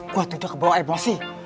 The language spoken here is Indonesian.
gua tuh udah kebawa emosi